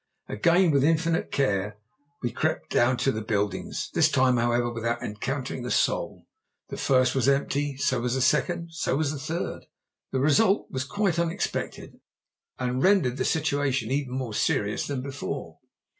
Again with infinite care we crept down to the buildings, this time, however, without encountering a soul. The first was empty, so was the second, and so was the third. This result was quite unexpected, and rendered the situation even more mysterious than before.